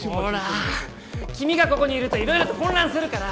君がここにいるといろいろと混乱するから！